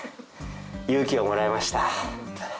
勇気をもらいました。